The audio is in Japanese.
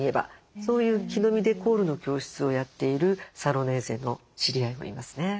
そういう木の実デコールの教室をやっているサロネーゼの知り合いもいますね。